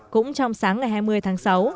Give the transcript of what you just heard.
cũng trong sáng ngày hai mươi tháng sáu